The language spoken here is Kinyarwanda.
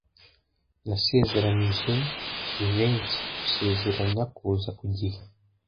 Nasezeranije Jivency gusezeranya kuza ku gihe.